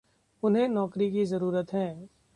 उन्हें नौकरी की ज़रूरत है।